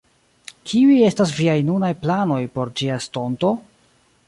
Kiuj estas viaj nunaj planoj por ĝia estonto?